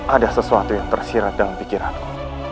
ada sesuatu yang tersirat dalam pikiranku